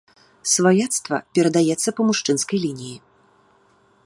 Сваяцтва перадаецца па мужчынскай лініі.